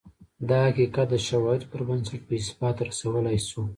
دا حقیقت د شواهدو پر بنسټ په اثبات رسولای شو